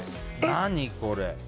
何これ。